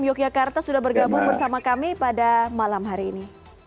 yogyakarta sudah bergabung bersama kami pada malam hari ini